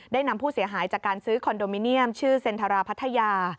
นำผู้เสียหายจากการซื้อคอนโดมิเนียมชื่อเซ็นทราพัทยา